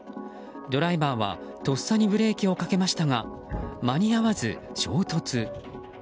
ドライバーはとっさにブレーキをかけましたが間に合わず、衝突。